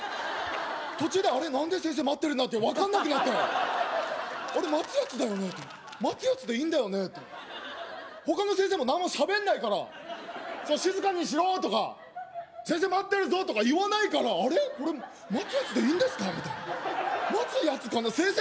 途中であれっ何で先生待ってるんだって分かんなくなってあれっ待つヤツだよねって待つヤツでいいんだよねって他の先生も何も喋んないから「静かにしろ」とか「先生待ってるぞ」とか言わないからあれっこれ待つヤツでいいんですかみたいな待つヤツかな先生